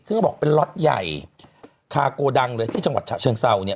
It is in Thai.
ซึ่งก็บอกเป็นล็อตใหญ่คาโกดังเลยที่จังหวัดฉะเชิงเศร้าเนี่ย